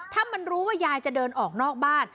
ถ้ามันรู้ว่ายายจะเดินออกนอกบ้าน